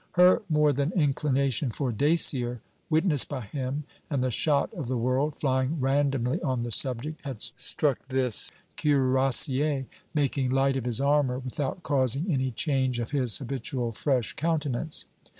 Her more than inclination for Dacier, witnessed by him, and the shot of the world, flying randomly on the subject, had struck this cuirassier, making light of his armour, without causing any change of his habitual fresh countenance.